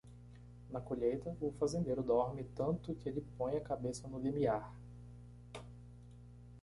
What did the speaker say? Na colheita, o fazendeiro dorme tanto que ele põe a cabeça no limiar.